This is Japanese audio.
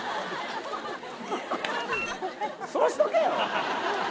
そうしとけ。